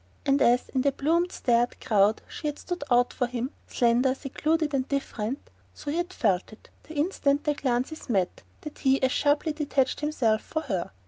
And as, in the plumed starred crowd, she had stood out for him, slender, secluded and different, so he had felt, the instant their glances met, that he as sharply detached himself for her.